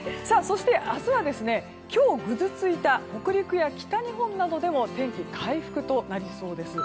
明日は今日ぐずついた北陸や北日本などでも天気、回復となりそうです。